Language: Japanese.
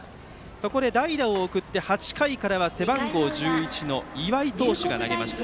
そこで代打を送って８回からは背番号１１の岩井投手が投げました。